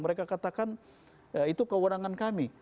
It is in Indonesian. mereka katakan itu kewenangan kami